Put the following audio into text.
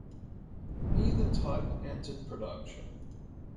Neither type entered production.